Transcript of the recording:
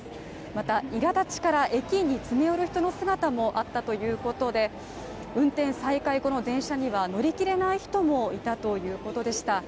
また、いらだちから駅員に詰め寄る人の姿もあったということで運転再開後の電車には乗りきれない人もいたということでした。